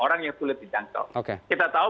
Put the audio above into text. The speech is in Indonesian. orang yang sulit dijangkau kita tahu